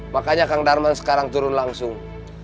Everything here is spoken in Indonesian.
makanya kang darman sekarang turun langsung